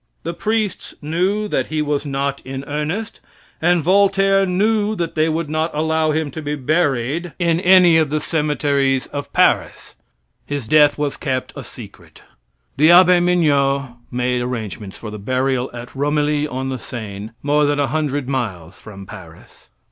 The priests knew that he was not in earnest, and Voltaire knew that they would not allow him to be buried in any of the cemeteries of Paris. His death was kept a secret. The Abbe Mignot made arrangements for the burial at Romilli on the Seine, more than 100 miles from Paris.